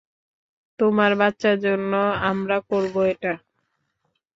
তোমার বাচ্চার জন্য আমরা করবো এটা।